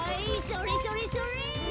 それそれそれ！